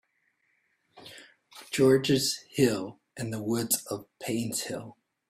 George's Hill and the woods of Painshill.